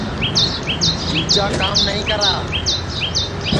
دؔوجا کام نائی کرا